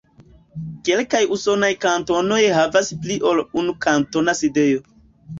Kelkaj usonaj kantonoj havas pli ol unu kantona sidejo.